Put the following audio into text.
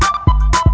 kau mau kemana